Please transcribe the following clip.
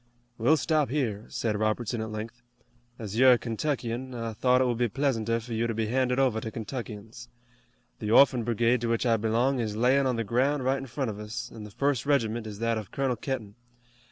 "We'll stop here," said Robertson at length. "As you're a Kentuckian, I thought it would be pleasanter for you to be handed over to Kentuckians. The Orphan Brigade to which I belong is layin' on the ground right in front of us, an' the first regiment is that of Colonel Kenton.